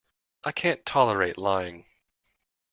I can't tolerate lying.